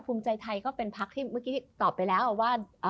ภูมิใจไทยก็เป็นพักที่เมื่อกี้ตอบไปแล้วว่า